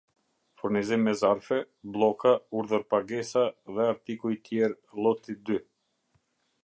furnizim me zarfe, blloka- urdhër pagesa dhe artikuj tjere lloti dy